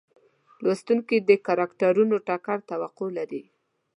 لوستونکي د کرکټرونو ټکر توقع لري.